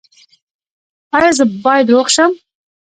ایا زه باید روغ شم؟